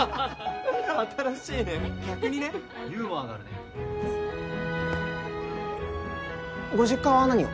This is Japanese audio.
・新しいね・ユーモアがあるねご実家は何を？